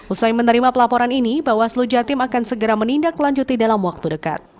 usai menerima pelaporan ini bawaslu jatim akan segera menindaklanjuti dalam waktu dekat